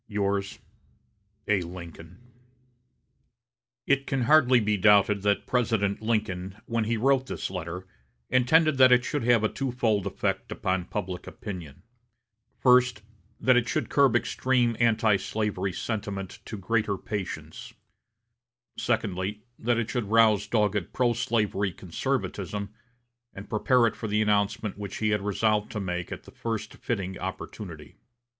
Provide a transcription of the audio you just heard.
"Yours, "A. LINCOLN." It can hardly be doubted that President Lincoln, when he wrote this letter, intended that it should have a twofold effect upon public opinion: first, that it should curb extreme antislavery sentiment to greater patience; secondly, that it should rouse dogged pro slavery conservatism, and prepare it for the announcement which he had resolved to make at the first fitting opportunity.